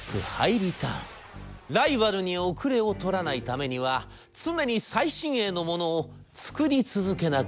「ライバルに後れを取らないためには常に最新鋭のものを作り続けなければならない。